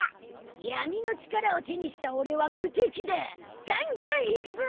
闇の力を手にした俺は無敵だガンガンいくぞ！